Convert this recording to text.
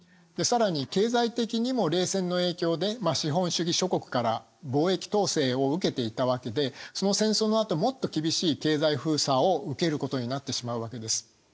で更に経済的にも冷戦の影響で資本主義諸国から貿易統制を受けていたわけでその戦争のあともっと厳しい経済封鎖を受けることになってしまうわけです。